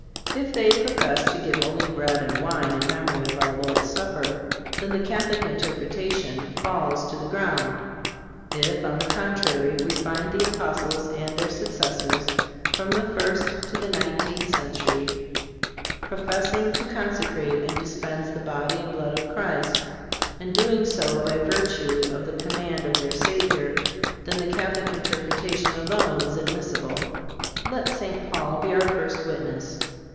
If they professed to give only bread and wine in memory of our Lord's Supper, then the Catholic interpretation falls to the ground. If, on the contrary, we find the Apostles and their successors, from the first to the nineteenth century, professing to consecrate and dispense the body and blood of Christ, and doing so by virtue of the command of their Savior, then the Catholic interpretation alone is admissible. Let St. Paul be our first witness.